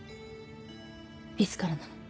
いつからなの？